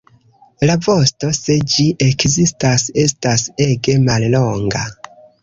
La vosto, se ĝi ekzistas, estas ege mallonga.